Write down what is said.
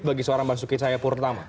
bagi seorang masuki sayapura pertama